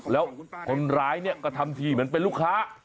แล้วคนร้ายเนี่ยก็ทำทีเหมือนเป็นลูกค้า